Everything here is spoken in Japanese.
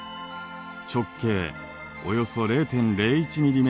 直径およそ０．０１ｍｍ。